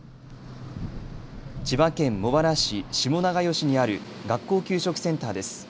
千葉県茂原市下永吉にある学校給食センターです。